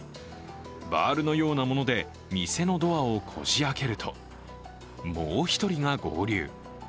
バールのようなもので店のドアをこじ開けると、もう１人が合流。